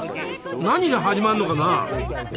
何が始まんのかな？